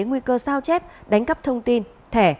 nguy cơ sao chép đánh cắp thông tin thẻ